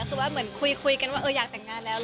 คือว่าเหมือนคุยกันว่าอยากแต่งงานแล้ว